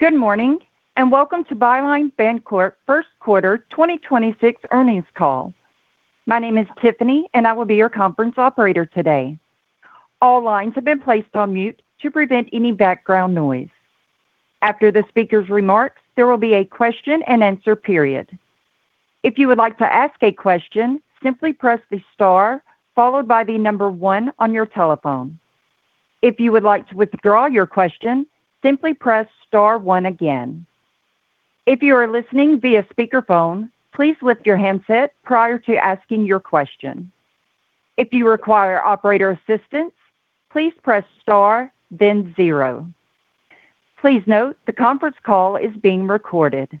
Good morning, and welcome to Byline Bancorp first quarter 2026 earnings call. My name is Tiffany, and I will be your conference operator today. All lines have been placed on mute to prevent any background noise. After the speaker's remarks, there will be a question and answer period. If you would like to ask a question, simply press the star followed by the number one on your telephone. If you would like to withdraw your question, simply press star one again. If you are listening via speakerphone, please lift your handset prior to asking your question. If you require operator assistance, please press star, then zero. Please note the conference call is being recorded.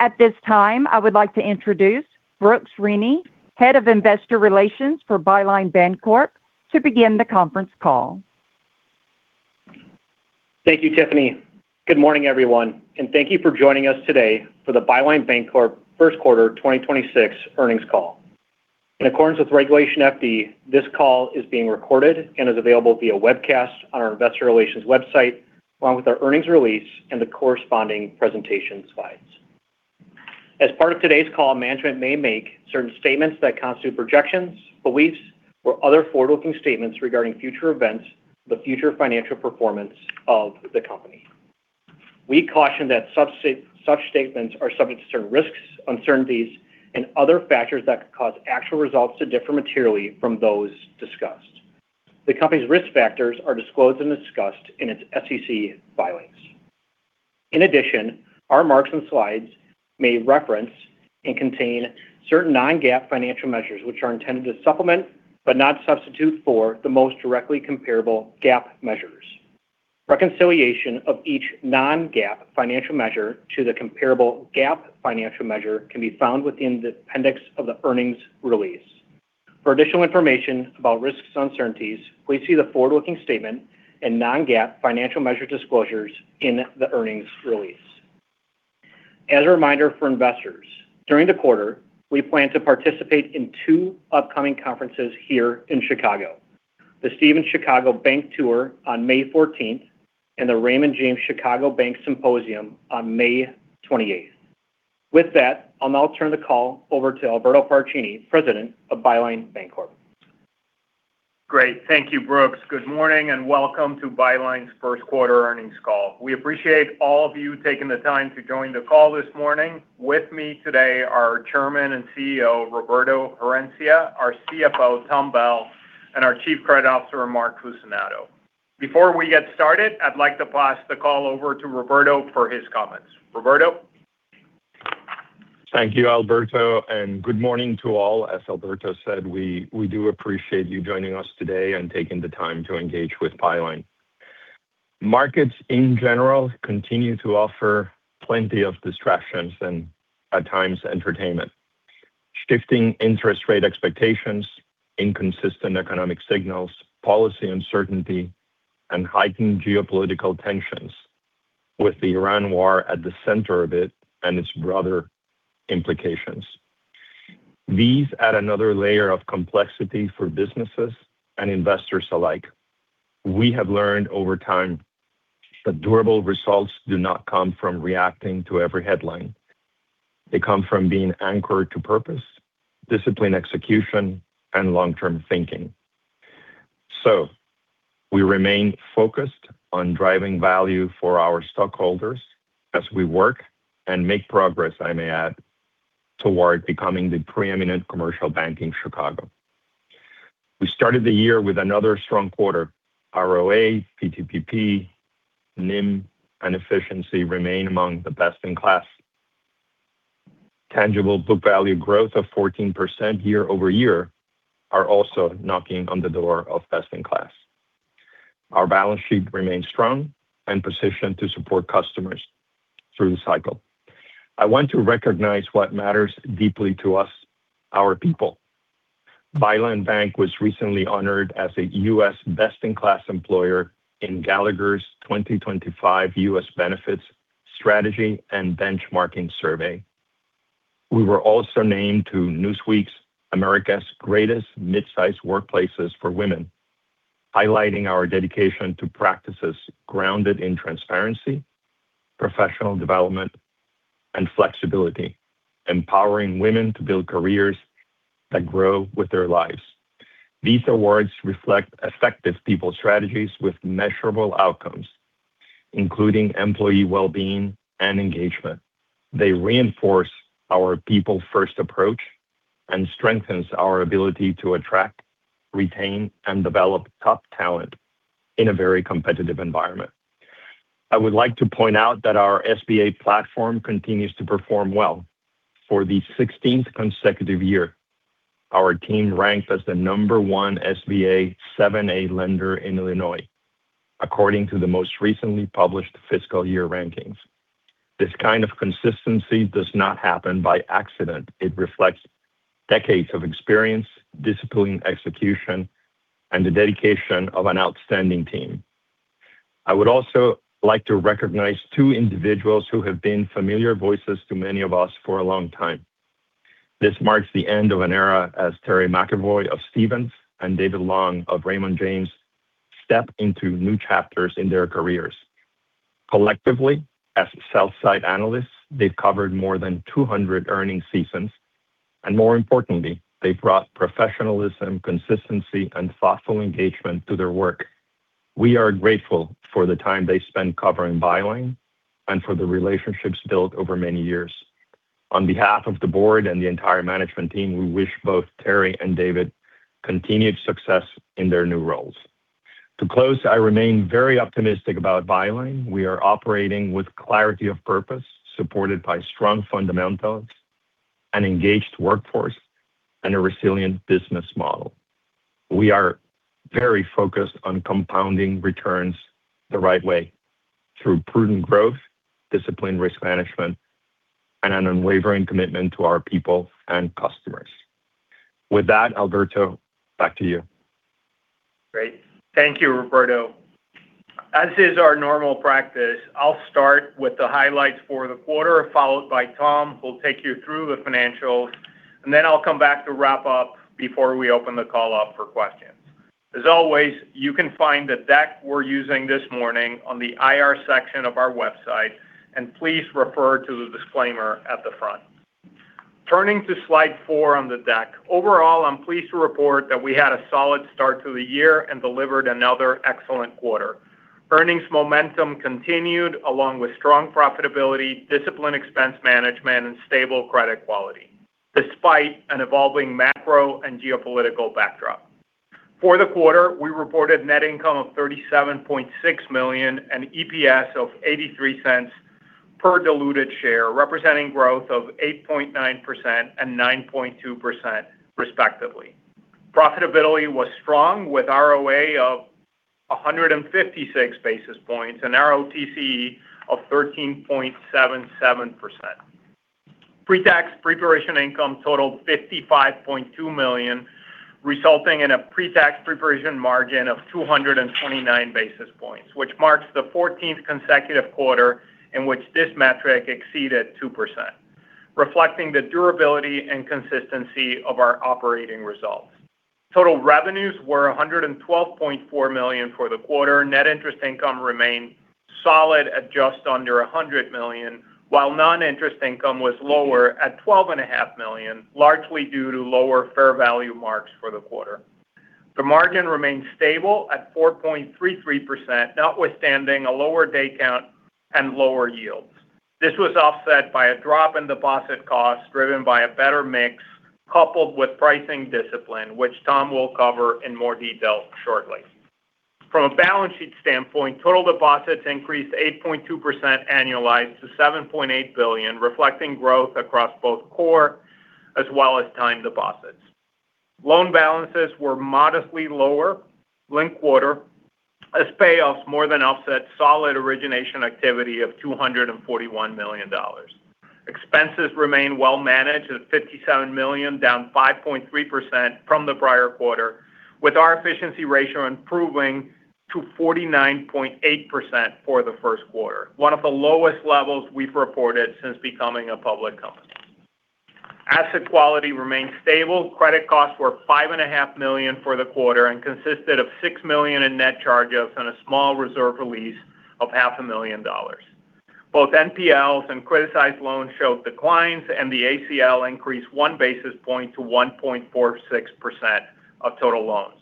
At this time, I would like to introduce Brooks Rennie, Head of Investor Relations for Byline Bancorp, to begin the conference call. Thank you, Tiffany. Good morning, everyone, and thank you for joining us today for the Byline Bancorp first quarter 2026 earnings call. In accordance with Regulation FD, this call is being recorded and is available via webcast on our investor relations website, along with our earnings release and the corresponding presentation slides. As part of today's call, management may make certain statements that constitute projections, beliefs or other forward-looking statements regarding future events, the future financial performance of the company. We caution that such statements are subject to certain risks, uncertainties and other factors that could cause actual results to differ materially from those discussed. The company's risk factors are disclosed and discussed in its SEC filings. In addition, our remarks and slides may reference and contain certain non-GAAP financial measures which are intended to supplement, but not substitute for, the most directly comparable GAAP measures. Reconciliation of each non-GAAP financial measure to the comparable GAAP financial measure can be found within the appendix of the earnings release. For additional information about risks and uncertainties, please see the forward-looking statement and non-GAAP financial measure disclosures in the earnings release. As a reminder for investors, during the quarter, we plan to participate in two upcoming conferences here in Chicago, the Stephens Chicago Bank Tour on May 14th and the Raymond James Chicago Bank Symposium on May 28th. With that, I'll now turn the call over to Alberto Paracchini, President of Byline Bancorp. Great. Thank you, Brooks. Good morning and welcome to Byline's first quarter earnings call. We appreciate all of you taking the time to join the call this morning. With me today are Chairman and CEO Roberto Herencia, our CFO Tom Bell, and our Chief Credit Officer Mark Cusinato. Before we get started, I'd like to pass the call over to Roberto for his comments. Roberto. Thank you, Alberto, and good morning to all. As Alberto said, we do appreciate you joining us today and taking the time to engage with Byline. Markets in general continue to offer plenty of distractions and at times entertainment. Shifting interest rate expectations, inconsistent economic signals, policy uncertainty, and heightened geopolitical tensions with the Iran war at the center of it and its broader implications. These add another layer of complexity for businesses and investors alike. We have learned over time that durable results do not come from reacting to every headline. They come from being anchored to purpose, disciplined execution, and long-term thinking. We remain focused on driving value for our stockholders as we work and make progress, I may add, toward becoming the preeminent commercial bank in Chicago. We started the year with another strong quarter. ROA, PTPP, NIM, and efficiency remain among the best in class. Tangible book value growth of 14% year-over-year are also knocking on the door of best in class. Our balance sheet remains strong and positioned to support customers through the cycle. I want to recognize what matters deeply to us, our people. Byline Bank was recently honored as a U.S. best in class employer in Gallagher's 2025 U.S. Benefits Strategy and Benchmarking Survey. We were also named to Newsweek's America's Greatest Midsize Workplaces for Women, highlighting our dedication to practices grounded in transparency, professional development, and flexibility, empowering women to build careers that grow with their lives. These awards reflect effective people strategies with measurable outcomes, including employee well-being and engagement. They reinforce our people first approach and strengthens our ability to attract, retain, and develop top talent in a very competitive environment. I would like to point out that our SBA platform continues to perform well. For the 16th consecutive year, our team ranked as the number one SBA 7 lender in Illinois, according to the most recently published fiscal year rankings. This kind of consistency does not happen by accident. It reflects decades of experience, disciplined execution, and the dedication of an outstanding team. I would also like to recognize two individuals who have been familiar voices to many of us for a long time. This marks the end of an era as Terry McEvoy of Stephens and David Long of Raymond James step into new chapters in their careers. Collectively, as sell-side analysts, they've covered more than 200 earnings seasons, and more importantly, they've brought professionalism, consistency, and thoughtful engagement to their work. We are grateful for the time they spent covering Byline and for the relationships built over many years. On behalf of the board and the entire management team, we wish both Terry and David continued success in their new roles. To close, I remain very optimistic about Byline. We are operating with clarity of purpose, supported by strong fundamentals, an engaged workforce, and a resilient business model. We are very focused on compounding returns the right way through prudent growth, disciplined risk management, and an unwavering commitment to our people and customers. With that, Alberto, back to you. Great. Thank you, Roberto. As is our normal practice, I'll start with the highlights for the quarter, followed by Tom, who'll take you through the financials, and then I'll come back to wrap up before we open the call up for questions. As always, you can find the deck we're using this morning on the IR section of our website, and please refer to the disclaimer at the front. Turning to slide four on the deck. Overall, I'm pleased to report that we had a solid start to the year and delivered another excellent quarter. Earnings momentum continued, along with strong profitability, disciplined expense management, and stable credit quality, despite an evolving macro and geopolitical backdrop. For the quarter, we reported net income of $37.6 million and EPS of $0.83 per diluted share, representing growth of 8.9% and 9.2% respectively. Profitability was strong with ROA of 156 basis points and ROTCE of 13.77%. Pre-tax pre-provision income totaled $55.2 million, resulting in a pre-tax pre-provision margin of 229 basis points, which marks the 14th consecutive quarter in which this metric exceeded 2%, reflecting the durability and consistency of our operating results. Total revenues were $112.4 million for the quarter. Net interest income remained solid at just under $100 million, while non-interest income was lower at $12.5 million, largely due to lower fair value marks for the quarter. The margin remained stable at 4.33%, notwithstanding a lower day count and lower yields. This was offset by a drop in deposit costs driven by a better mix coupled with pricing discipline, which Tom will cover in more detail shortly. From a balance sheet standpoint, total deposits increased 8.2% annualized to $7.8 billion, reflecting growth across both core as well as time deposits. Loan balances were modestly lower linked quarter as payoffs more than offset solid origination activity of $241 million. Expenses remain well managed at $57 million, down 5.3% from the prior quarter, with our efficiency ratio improving to 49.8% for the first quarter, one of the lowest levels we've reported since becoming a public company. Asset quality remained stable. Credit costs were $5.5 million for the quarter and consisted of $6 million in net charge-offs and a small reserve release of $0.5 million. Both NPLs and criticized loans showed declines, and the ACL increased one basis point to 1.46% of total loans.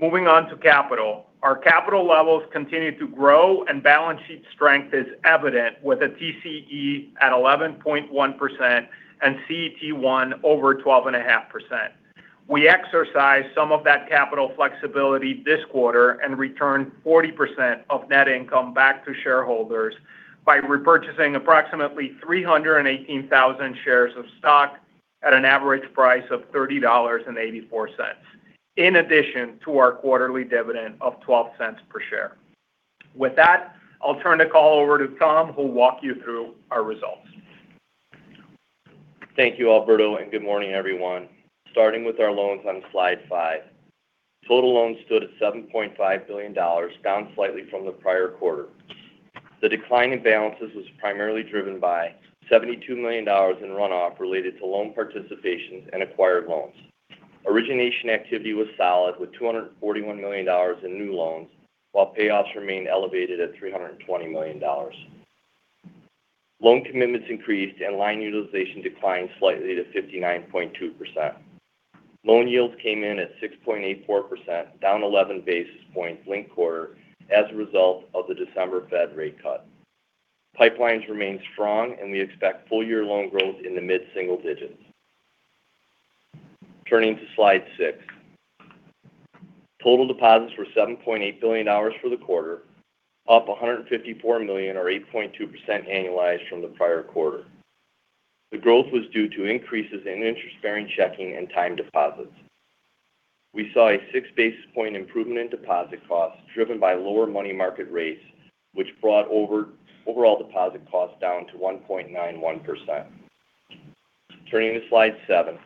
Moving on to capital. Our capital levels continue to grow and balance sheet strength is evident with a TCE at 11.1% and CET1 over 12.5%. We exercised some of that capital flexibility this quarter and returned 40% of net income back to shareholders by repurchasing approximately 318,000 shares of stock at an average price of $30.84, in addition to our quarterly dividend of $0.12 per share. With that, I'll turn the call over to Tom, who'll walk you through our results. Thank you, Alberto, and good morning, everyone. Starting with our loans on slide five. Total loans stood at $7.5 billion, down slightly from the prior quarter. The decline in balances was primarily driven by $72 million in runoff related to loan participations and acquired loans. Origination activity was solid with $241 million in new loans, while payoffs remained elevated at $320 million. Loan commitments increased and line utilization declined slightly to 59.2%. Loan yields came in at 6.84%, down 11 basis points linked quarter as a result of the December Fed rate cut. Pipelines remain strong and we expect full year loan growth in the mid-single digits. Turning to slide six. Total deposits were $7.8 billion for the quarter, up $154 million or 8.2% annualized from the prior quarter. The growth was due to increases in interest-bearing checking and time deposits. We saw a 6 basis points improvement in deposit costs driven by lower money market rates, which brought overall deposit costs down to 1.91%. Turning to slide seven.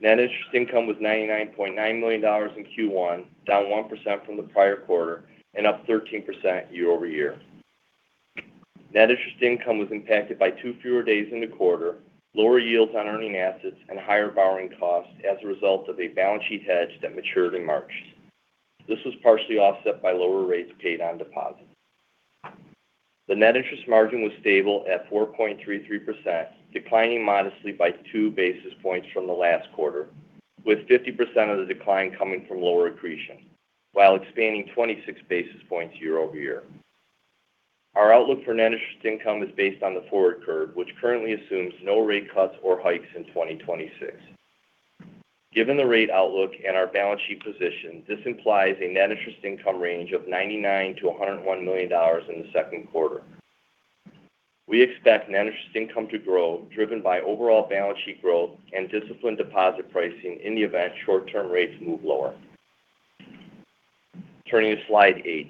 Net interest income was $99.9 million in Q1, down 1% from the prior quarter and up 13% year-over-year. Net interest income was impacted by two fewer days in the quarter, lower yields on earning assets and higher borrowing costs as a result of a balance sheet hedge that matured in March. This was partially offset by lower rates paid on deposits. The net interest margin was stable at 4.33%, declining modestly by 2 basis points from the last quarter, with 50% of the decline coming from lower accretion, while expanding 26 basis points year-over-year. Our outlook for net interest income is based on the forward curve, which currently assumes no rate cuts or hikes in 2026. Given the rate outlook and our balance sheet position, this implies a net interest income range of $99million-$101 million in the second quarter. We expect net interest income to grow, driven by overall balance sheet growth and disciplined deposit pricing in the event short-term rates move lower. Turning to slide eight.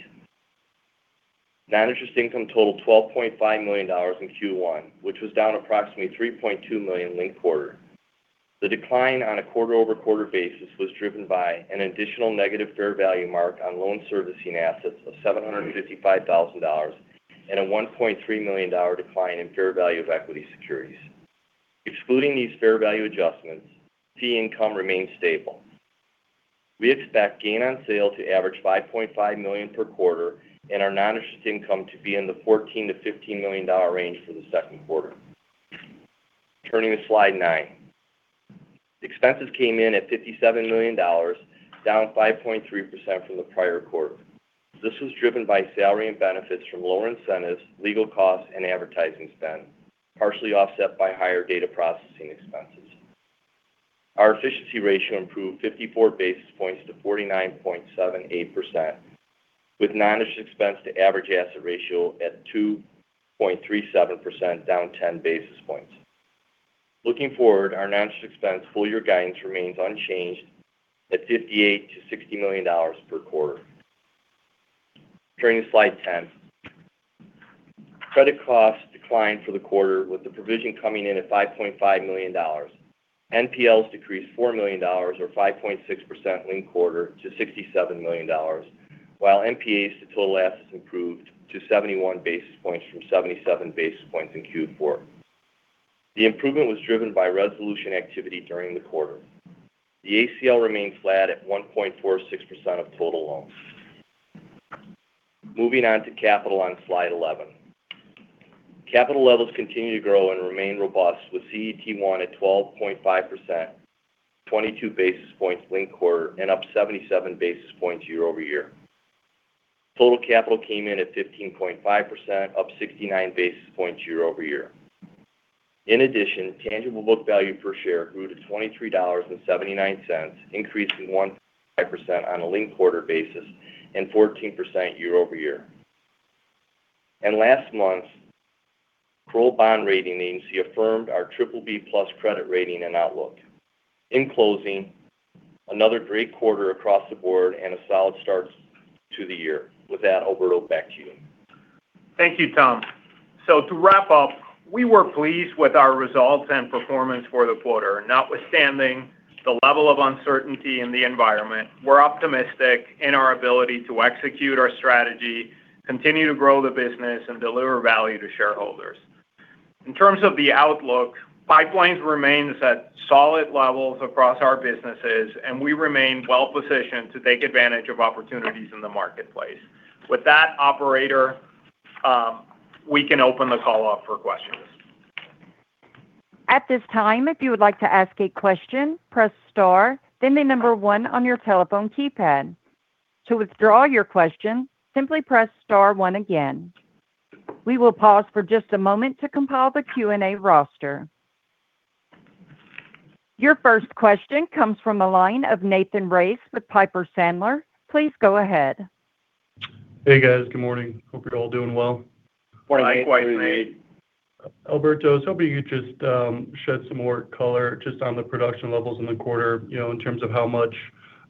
Net interest income totaled $12.5 million in Q1, which was down approximately $3.2 million linked quarter. The decline on a quarter-over-quarter basis was driven by an additional negative fair value mark on loan servicing assets of $755,000 and a $1.3 million decline in fair value of equity securities. Excluding these fair value adjustments, fee income remains stable. We expect gain on sale to average $5.5 million per quarter and our non-interest income to be in the $14-$15 million range for the second quarter. Turning to slide nine. Expenses came in at $57 million, down 5.3% from the prior quarter. This was driven by salary and benefits from lower incentives, legal costs, and advertising spend, partially offset by higher data processing expenses. Our efficiency ratio improved 54 basis points to 49.78%, with non-interest expense to average asset ratio at 2.37%, down 10 basis points. Looking forward, our non-interest expense full year guidance remains unchanged at $58 million-$60 million per quarter. Turning to slide 10. Credit costs declined for the quarter with the provision coming in at $5.5 million. NPLs decreased $4 million or 5.6% linked quarter to $67 million, while NPAs to total assets improved to 71 basis points from 77 basis points in Q4. The improvement was driven by resolution activity during the quarter. The ACL remained flat at 1.46% of total loans. Moving on to capital on slide 11. Capital levels continue to grow and remain robust with CET1 at 12.5%, 22 basis points linked-quarter and up 77 basis points year-over-year. Total capital came in at 15.5%, up 69 basis points year-over-year. In addition, tangible book value per share grew to $23.79, increasing 1.5% on a linked-quarter basis and 14% year-over-year. Last month, Fitch Ratings affirmed our BBB+ credit rating and outlook. In closing, another great quarter across the board and a solid start to the year. With that, Alberto, back to you. Thank you, Tom. To wrap up, we were pleased with our results and performance for the quarter. Notwithstanding the level of uncertainty in the environment, we're optimistic in our ability to execute our strategy, continue to grow the business and deliver value to shareholders. In terms of the outlook, pipeline remains at solid levels across our businesses, and we remain well-positioned to take advantage of opportunities in the marketplace. With that, operator, we can open the call up for questions. At this time, if you would like to ask a question, press star, then the number one on your telephone keypad. To withdraw your question, simply press star one again. We will pause for just a moment to compile the Q&A roster. Your first question comes from the line of Nathan Race with Piper Sandler. Please go ahead. Hey, guys. Good morning. Hope you're all doing well. Morning. Alberto Paracchini, I was hoping you could just shed some more color just on the production levels in the quarter, in terms of how much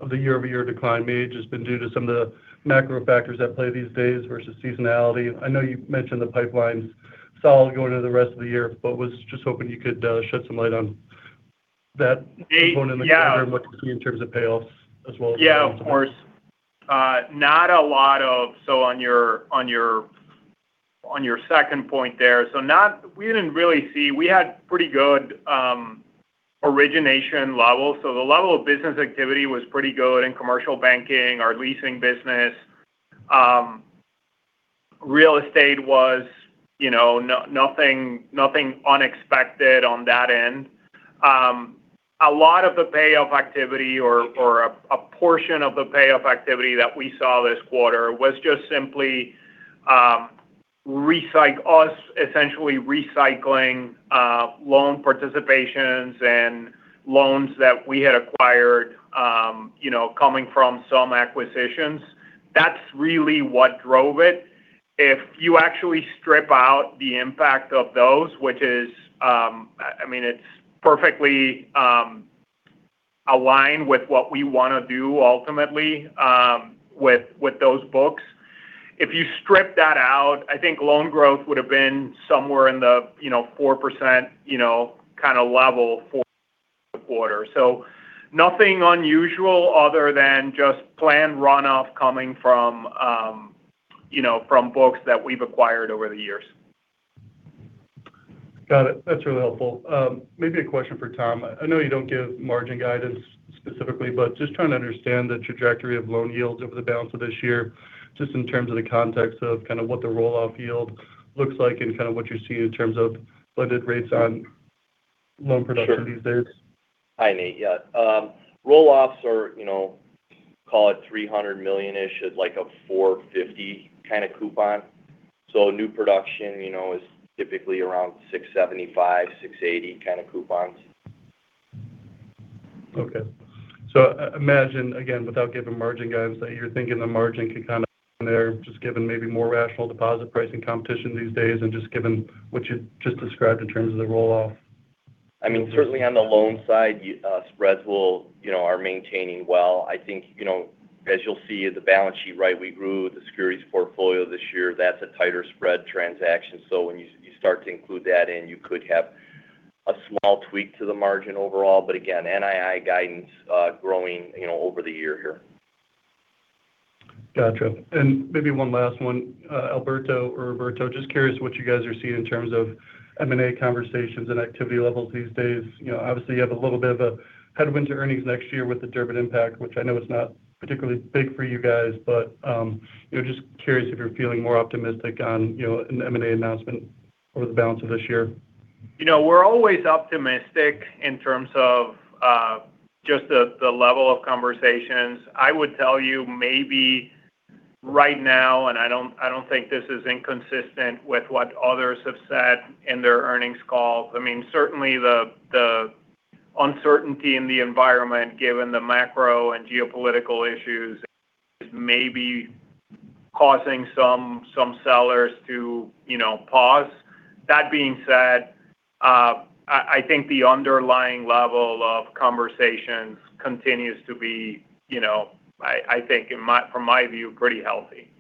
of the year-over-year decline may just been due to some of the macro factors at play these days versus seasonality. I know you mentioned the pipeline's solid going into the rest of the year, but was just hoping you could shed some light on that component in the quarter in terms of payoffs as well as. Yeah, of course. On your second point there, we had pretty good origination levels. The level of business activity was pretty good in commercial banking, our leasing business. Real estate was nothing unexpected on that end. A lot of the payoff activity or a portion of the payoff activity that we saw this quarter was just simply us essentially recycling loan participations and loans that we had acquired coming from some acquisitions. That's really what drove it. If you actually strip out the impact of those, which is perfectly aligned with what we want to do ultimately with those books. If you strip that out, I think loan growth would've been somewhere in the 4% kind of level for quarter. Nothing unusual other than just planned runoff coming from books that we've acquired over the years. Got it. That's really helpful. Maybe a question for Tom. I know you don't give margin guidance specifically, but just trying to understand the trajectory of loan yields over the balance of this year, just in terms of the context of kind of what the roll-off yield looks like and kind of what you're seeing in terms of blended rates on loan production these days. Sure. Hi, Nate. Yeah. Roll-offs are, call it $300 million-ish at like a 450 kind of coupon. New production is typically around 675-680 kind of coupons. Okay. Imagine, again, without giving margin guidance, that you're thinking the margin could kind of there, just given maybe more rational deposit pricing competition these days and just given what you just described in terms of the roll-off. I mean, certainly on the loan side, spreads are maintaining well. I think, as you'll see in the balance sheet, we grew the securities portfolio this year. That's a tighter spread transaction. So when you start to include that in, you could have a small tweak to the margin overall, but again, NII guidance growing over the year here. Gotcha. Maybe one last one. Alberto or Roberto, just curious what you guys are seeing in terms of M&A conversations and activity levels these days. Obviously you have a little bit of a headwind to earnings next year with the Durbin impact, which I know is not particularly big for you guys. Just curious if you're feeling more optimistic on an M&A announcement over the balance of this year. We're always optimistic in terms of just the level of conversations. I would tell you maybe right now, and I don't think this is inconsistent with what others have said in their earnings calls. Certainly the uncertainty in the environment, given the macro and geopolitical issues is maybe causing some sellers to pause. That being said, I think the underlying level of conversations continues to be from my view, pretty healthy.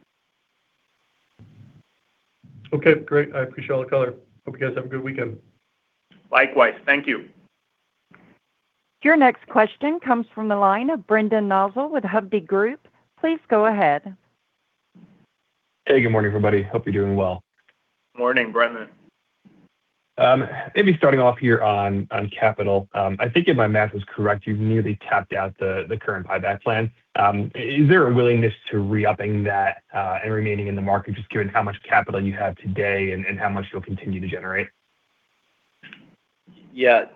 Okay, great. I appreciate all the color. Hope you guys have a good weekend. Likewise. Thank you. Your next question comes from the line of Brendan Nosal with Hovde Group. Please go ahead. Hey, good morning, everybody. Hope you're doing well. Morning, Brendan. Maybe starting off here on capital. I think if my math was correct, you've nearly tapped out the current buyback plan. Is there a willingness to re-upping that, and remaining in the market, just given how much capital you have today and how much you'll continue to generate? Yeah.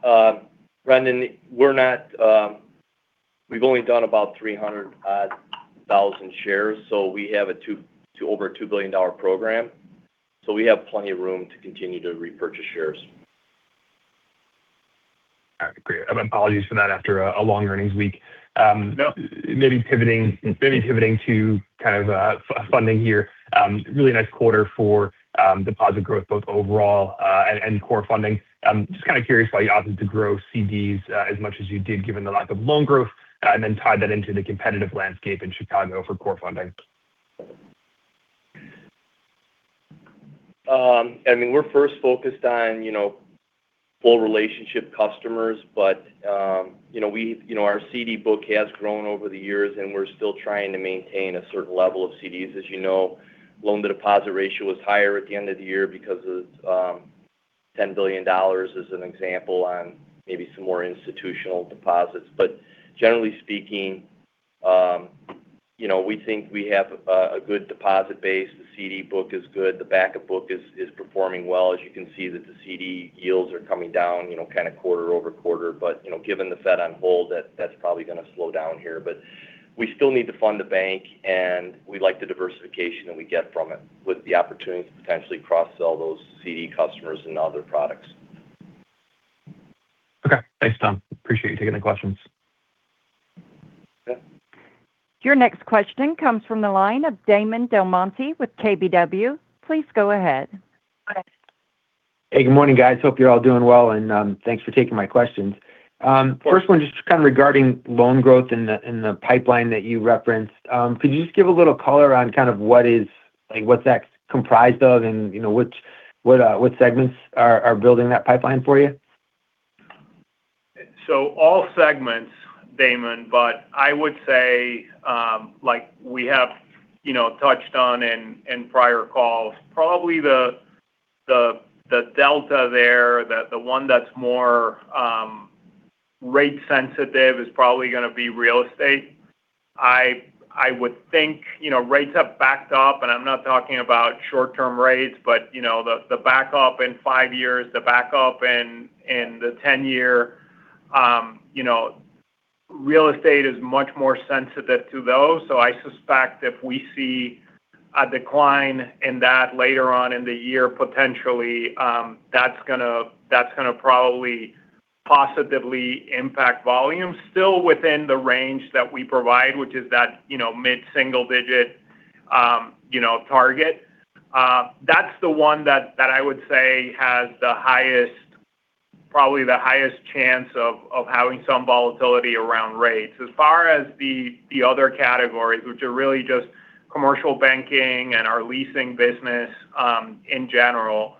Brendan, we've only done about 300,000 shares, so we have over a $2 billion program. We have plenty of room to continue to repurchase shares. All right, great. Apologies for that after a long earnings week. No. Maybe pivoting to kind of funding here. Really nice quarter for deposit growth both overall and core funding. Just kind of curious why you opted to grow CDs as much as you did, given the lack of loan growth, and then tie that into the competitive landscape in Chicago for core funding. We're first focused on full relationship customers. Our CD book has grown over the years, and we're still trying to maintain a certain level of CDs. As you know, loan-to-deposit ratio was higher at the end of the year because of $10 billion as an example on maybe some more institutional deposits. Generally speaking, we think we have a good deposit base. The CD book is good. The backup book is performing well. As you can see that the CD yields are coming down quarter-over-quarter, but given the Fed on hold, that's probably going to slow down here. We still need to fund the bank, and we like the diversification that we get from it with the opportunity to potentially cross-sell those CD customers and other products. Okay. Thanks, Tom. I appreciate you taking the questions. Yeah. Your next question comes from the line of Damon DelMonte with KBW. Please go ahead. Hey, good morning guys. Hope you're all doing well, and thanks for taking my questions. Of course. First one just kind of regarding loan growth in the pipeline that you referenced. Could you just give a little color on what that's comprised of and which segments are building that pipeline for you? All segments, Damon, but I would say, like we have touched on in prior calls. Probably the delta there, the one that's more rate sensitive is probably going to be real estate. I would think rates have backed up, and I'm not talking about short-term rates, but the backup in five years, the backup in the 10-year. Real estate is much more sensitive to those. I suspect if we see a decline in that later on in the year, potentially, that's going to probably positively impact volume still within the range that we provide, which is that mid-single digit target. That's the one that I would say has the highest chance of having some volatility around rates. As far as the other categories, which are really just commercial banking and our leasing business in general,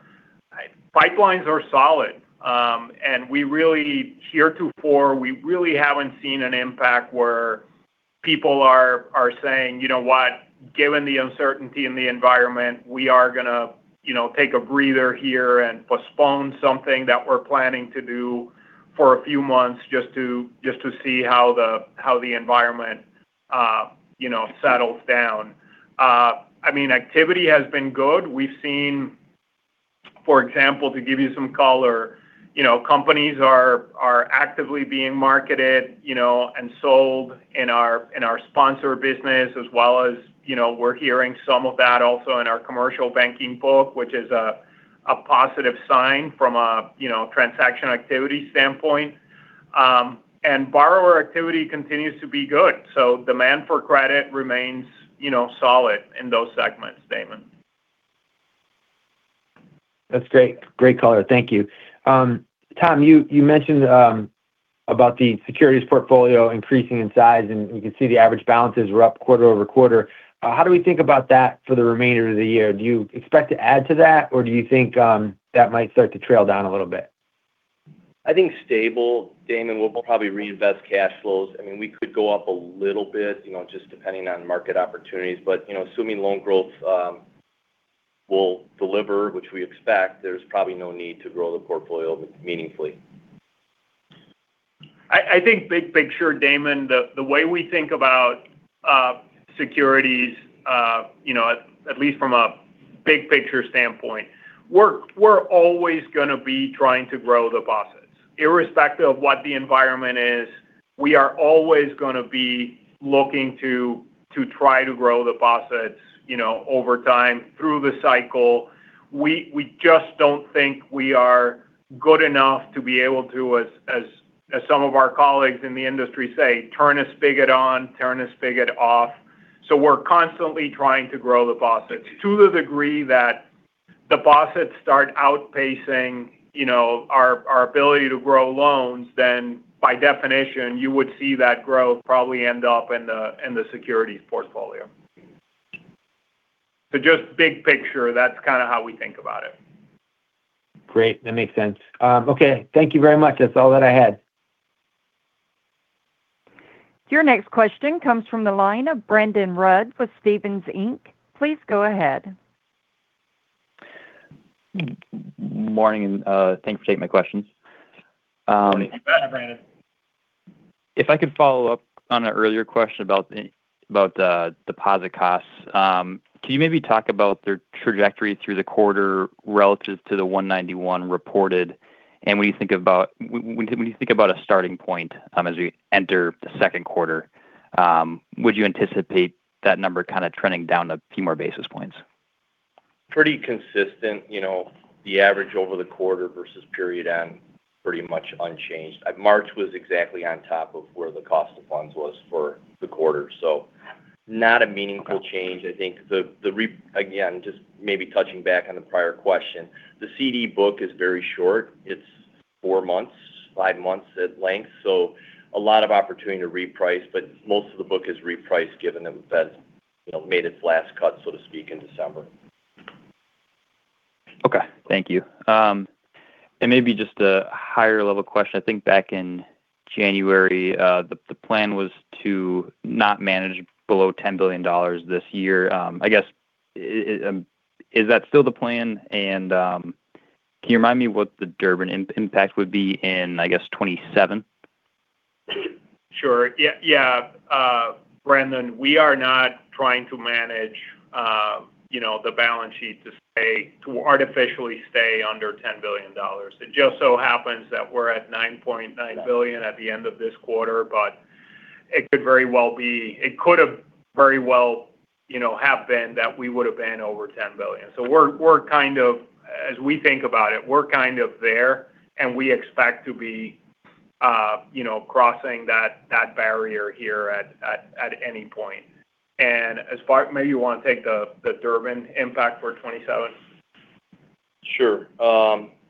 pipelines are solid. Heretofore, we really haven't seen an impact where people are saying, "You know what? Given the uncertainty in the environment, we are going to take a breather here and postpone something that we're planning to do for a few months just to see how the environment settles down." Activity has been good. We've seen, for example, to give you some color, companies are actively being marketed and sold in our sponsor business as well as we're hearing some of that also in our commercial banking book, which is a positive sign from a transaction activity standpoint. Borrower activity continues to be good. Demand for credit remains solid in those segments, Damon. That's great color. Thank you. Tom, you mentioned about the securities portfolio increasing in size, and we can see the average balances were up quarter-over-quarter. How do we think about that for the remainder of the year? Do you expect to add to that, or do you think that might start to trail down a little bit? I think stable, Damon. We'll probably reinvest cash flows. We could go up a little bit, just depending on market opportunities. Assuming loan growth will deliver, which we expect, there's probably no need to grow the portfolio meaningfully. I think big picture, Damon, the way we think about securities, at least from a big picture standpoint, we're always going to be trying to grow deposits. Irrespective of what the environment is, we are always going to be looking to try to grow deposits over time through the cycle. We just don't think we are good enough to be able to, as some of our colleagues in the industry say, turn a spigot on, turn a spigot off. We're constantly trying to grow deposits to the degree that the deposits start outpacing our ability to grow loans, then by definition, you would see that growth probably end up in the securities portfolio. Just big picture, that's kind of how we think about it. Great. That makes sense. Okay. Thank you very much. That's all that I had. Your next question comes from the line of Brandon Rud with Stephens Inc. Please go ahead. Morning, and thanks for taking my questions. Morning. You bet, Brandon. If I could follow up on an earlier question about the deposit costs. Can you maybe talk about their trajectory through the quarter relative to the 191 reported? When you think about a starting point as we enter the second quarter, would you anticipate that number kind of trending down a few more basis points? Pretty consistent. The average over the quarter versus period end, pretty much unchanged. March was exactly on top of where the cost of funds was for the quarter. Not a meaningful change. Okay. I think, again, just maybe touching back on the prior question, the CD book is very short. It's four months, five months at length. A lot of opportunity to reprice, but most of the book is repriced given the Fed's made its last cut, so to speak, in December. Okay. Thank you. Maybe just a higher level question. I think back in January, the plan was to not manage below $10 billion this year. I guess, is that still the plan? And can you remind me what the Durbin impact would be in, I guess, 2027? Sure. Yeah, Brandon. We are not trying to manage the balance sheet to artificially stay under $10 billion. It just so happens that we're at $9.9 billion at the end of this quarter, but it could have very well have been that we would have been over $10 billion. As we think about it, we're kind of there, and we expect to be crossing that barrier here at any point. As part, maybe you want to take the Durbin impact for 2027. Sure.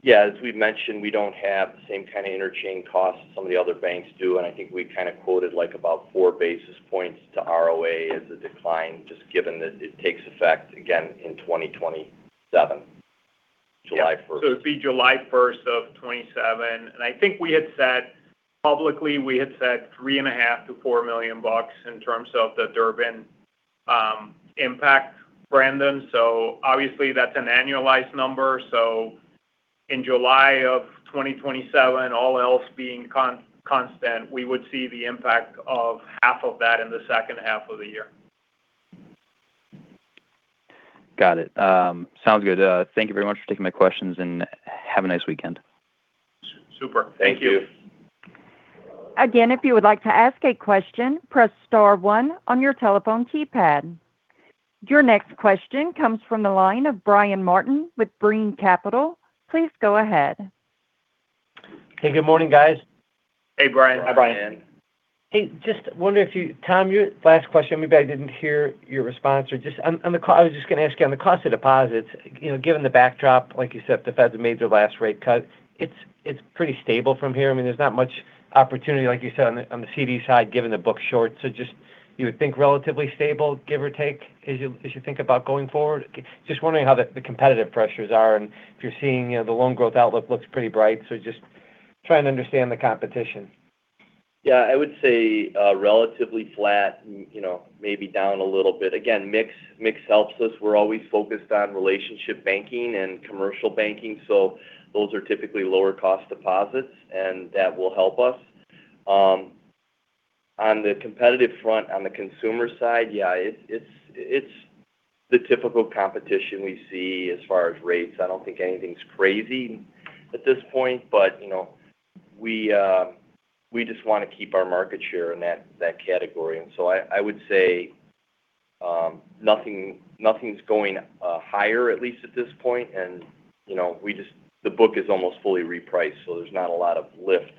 Yeah, as we've mentioned, we don't have the same kind of interchange costs some of the other banks do, and I think we kind of quoted like about 4 basis points to ROA as a decline, just given that it takes effect again in 2027, July 1st. It'd be July 1st, 2027, and I think we had said publicly $3.5 million-$4 million in terms of the Durbin impact, Brandon. Obviously, that's an annualized number. In July of 2027, all else being constant, we would see the impact of half of that in the second half of the year. Got it. Sounds good. Thank you very much for taking my questions, and have a nice weekend. Super. Thank you. Thank you. Your next question comes from the line of Brian Martin with Brean Capital. Please go ahead. Hey, good morning, guys. Hey, Brian. Hey Brian. Hey, just wondering if you, Tom, your last question, maybe I didn't hear your response, or just on the call, I was just going to ask you, on the cost of deposits, given the backdrop, like you said, the Fed's made their last rate cut. It's pretty stable from here. I mean, there's not much opportunity, like you said, on the CD side, given the book's short. Just you would think relatively stable, give or take, as you think about going forward? Just wondering how the competitive pressures are and if you're seeing the loan growth outlook looks pretty bright. Just trying to understand the competition. Yeah, I would say relatively flat, maybe down a little bit. Again, mix helps us. We're always focused on relationship banking and commercial banking, so those are typically lower cost deposits, and that will help us. On the competitive front, on the consumer side, yeah, it's the typical competition we see as far as rates. I don't think anything's crazy at this point, but we just want to keep our market share in that category. I would say nothing's going higher, at least at this point. The book is almost fully repriced, so there's not a lot of lift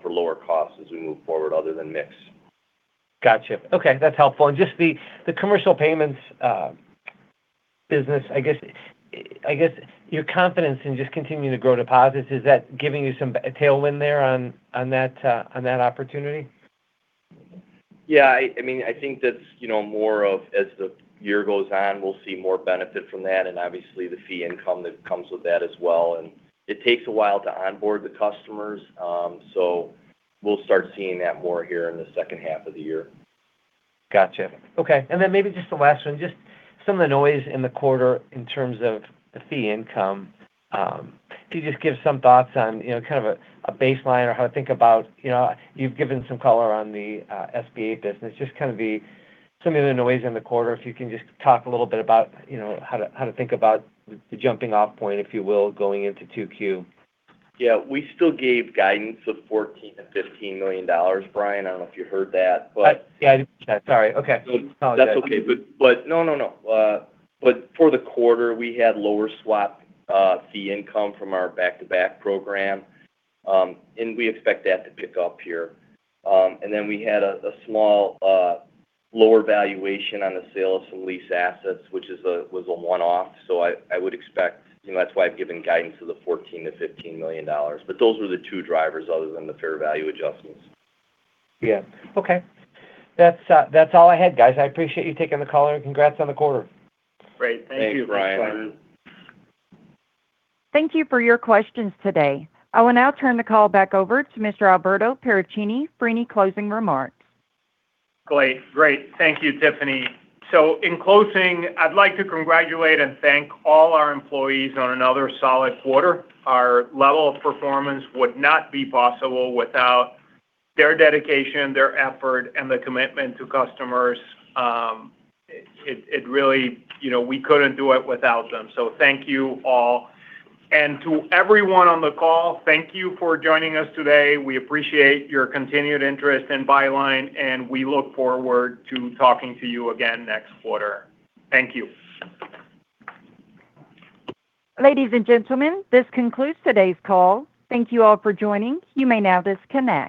for lower costs as we move forward other than mix. Got you. Okay. That's helpful. Just the commercial payments business, I guess your confidence in just continuing to grow deposits, is that giving you some tailwind there on that opportunity? Yeah. I think that's more of as the year goes on, we'll see more benefit from that, and obviously the fee income that comes with that as well. It takes a while to onboard the customers, so we'll start seeing that more here in the second half of the year. Got you. Okay. Maybe just the last one, just some of the noise in the quarter in terms of the fee income. Can you just give some thoughts on kind of a baseline or how to think about. You've given some color on the SBA business. Just kind of some of the noise in the quarter, if you can just talk a little bit about how to think about the jumping off point, if you will, going into 2Q. Yeah. We still gave guidance of $14 million-$15 million. Brian, I don't know if you heard that, but. Yeah, I didn't catch that. Sorry. Okay. That's okay. For the quarter, we had lower swap fee income from our back-to-back program, and we expect that to pick up here. Then we had a small lower valuation on the sale of some lease assets, which was a one-off. I would expect, that's why I've given guidance of the $14 million-$15 million. Those were the two drivers other than the fair value adjustments. Yeah. Okay. That's all I had, guys. I appreciate you taking the call and congrats on the quarter. Great. Thank you. Thanks, Brian. Thank you for your questions today. I will now turn the call back over to Mr. Alberto Paracchini for any closing remarks. Great. Thank you, Tiffany. In closing, I'd like to congratulate and thank all our employees on another solid quarter. Our level of performance would not be possible without their dedication, their effort, and the commitment to customers. We couldn't do it without them. Thank you all. To everyone on the call, thank you for joining us today. We appreciate your continued interest in Byline, and we look forward to talking to you again next quarter. Thank you. Ladies and gentlemen, this concludes today's call. Thank you all for joining. You may now disconnect.